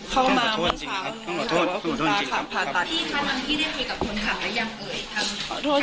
เข้ามามันถามว่าคุณตาขับผ่าตัด